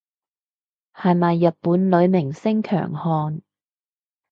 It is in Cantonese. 係咪日本女明星強項